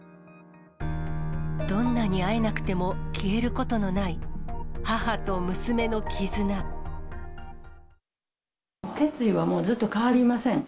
どんなに会えなくても消える決意はもう、ずっと変わりません。